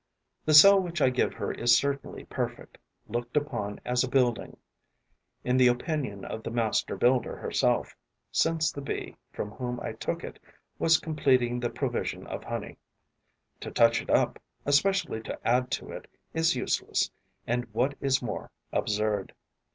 The cell which I give her is certainly perfect, looked upon as a building, in the opinion of the master builder herself, since the Bee from whom I took it was completing the provision of honey. To touch it up, especially to add to it, is useless and, what is more, absurd.